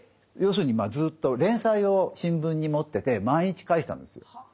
要するにずっと連載を新聞に持ってて毎日書いてたんです。